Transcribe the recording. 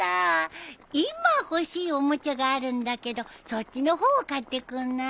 今欲しいおもちゃがあるんだけどそっちの方を買ってくんない？